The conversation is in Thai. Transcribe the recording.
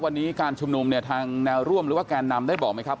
วันนี้การชุมนุมเนี่ยทางแนวร่วมหรือว่าแกนนำได้บอกไหมครับ